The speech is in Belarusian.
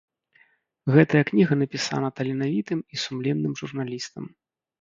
Гэтая кніга напісана таленавітым і сумленным журналістам.